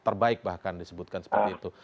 terbaik bahkan disebutkan seperti itu